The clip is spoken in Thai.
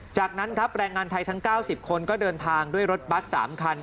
จากนั้นครับแรงงานไทยทั้ง๙๐คนก็เดินทางด้วยรถบัส๓คัน